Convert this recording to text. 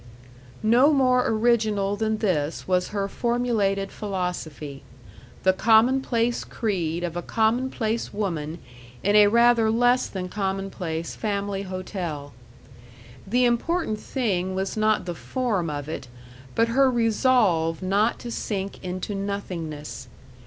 No more original than this was her formulated philosophy the commonplace creed of a commonplace woman in a rather less than commonplace family hotel. The important thing was not the form of it, but her resolve not to sink into nothingness....